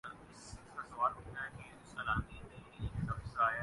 ہوش سے کا لو